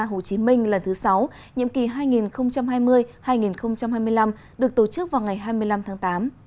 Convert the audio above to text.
hồ chí minh lần thứ sáu nhiệm kỳ hai nghìn hai mươi hai nghìn hai mươi năm được tổ chức vào ngày hai mươi năm tháng tám